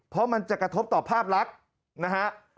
เพราะมันจะกระทบต่อภาพลักษณ์นะฮะ